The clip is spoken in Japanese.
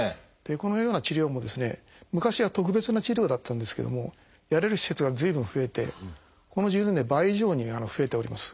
このような治療もですね昔は特別な治療だったんですけどもやれる施設が随分増えてこの１０年で倍以上に増えております。